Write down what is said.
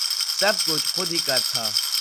سب کچھ خود ہی کر تھا